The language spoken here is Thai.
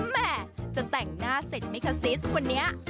แม่จะแต่งหน้าเสร็จไหมคะซิสวันนี้